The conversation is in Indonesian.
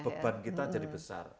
beban kita jadi besar